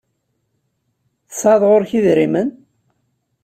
Tesɛiḍ ɣur-k idrimen?